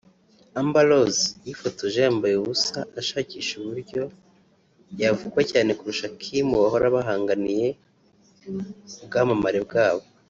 Amber Rose yifotoje yambaye ubusa ashakisha uburyo yavugwa cyane kurusha Kim bahora bahanganiye ubwamamare bwabo